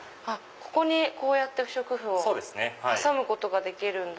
ここにこうやって不織布を挟むことができるんだ。